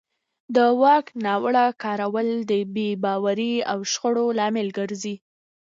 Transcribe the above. د واک ناوړه کارول د بې باورۍ او شخړو لامل ګرځي